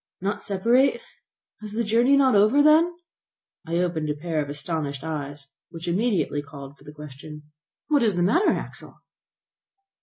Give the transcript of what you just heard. "Not separate! Is the journey not over, then?" I opened a pair of astonished eyes, which immediately called for the question: "What is the matter, Axel?"